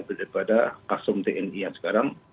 berdiri pada kasum tni yang sekarang